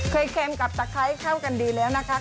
เค็มกับตะไคร้เข้ากันดีแล้วนะคะ